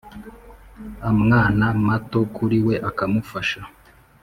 amwana mato kuri we, akamufasha